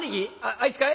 あいつかい？